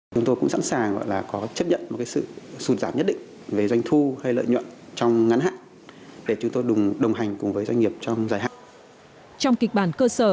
chúng tôi cũng sẵn sàng có chấp nhận một sự sụt giảm nhất định về doanh thu hay lợi nhuận trong ngắn hạn để chúng tôi đồng hành cùng với doanh nghiệp trong dài hạn